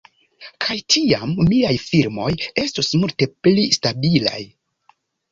Kaj tiam miaj filmoj estus multe pli stabilaj.